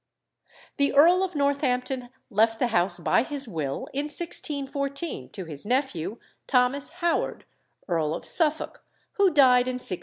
The Earl of Northampton left the house by his will, in 1614, to his nephew, Thomas Howard, Earl of Suffolk, who died in 1626.